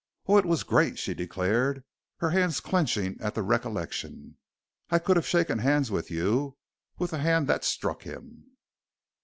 "Oh, it was great!" she declared, her hands clenching at the recollection. "I could have shaken hands with you with the hand that struck him!"